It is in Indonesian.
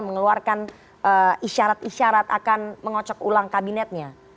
mengeluarkan isyarat isyarat akan mengocok ulang kabinetnya